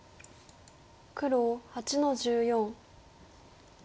黒８の十四。